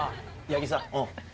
八木さん。